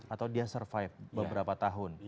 atau dia survive beberapa tahun